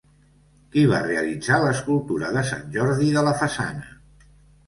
Qui va realitzar l'escultura de Sant Jordi de la façana?